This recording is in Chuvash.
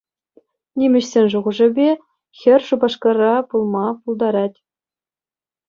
Нимеҫӗсен шухӑшӗпе, хӗр Шупашкара пулма пултарать.